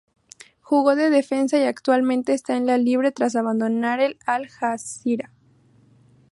Jugó de defensa y actualmente está libre tras abandonar el Al-Jazira.